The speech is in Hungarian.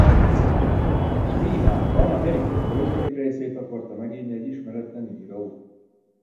Kínában a Harry Potter ötödik részét akarta megírni egy ismeretlen író.